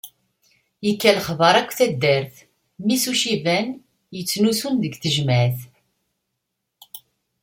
Yekka lexbar akk taddart, mmi-s n uciban yettnusun deg tejmeɛt.